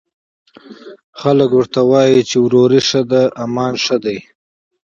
خلک ورته وايي، چې وروري ښه ده، امان ښه دی